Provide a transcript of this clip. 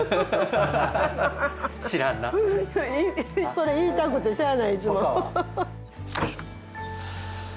それ言いたくてしゃあないいつも。